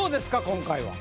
今回は。